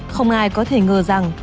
không ai có thể ngờ rằng